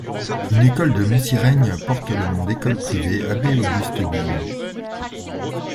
Une école de Monsireigne porte le nom d'école privée Abbé Auguste Billaud.